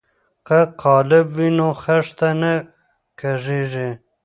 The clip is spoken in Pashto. که قالب وي نو خښته نه کږیږي.